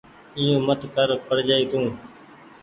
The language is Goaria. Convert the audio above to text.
ائيو مت ڪر پڙجآئي تو۔